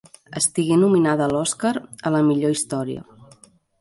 Estigué nominada a l'Oscar a la millor història.